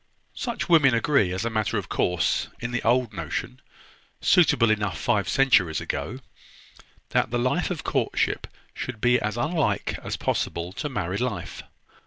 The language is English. "Such women agree, as a matter of course, in the old notion, suitable enough five centuries ago, that the life of courtship should be as unlike as possible to married life.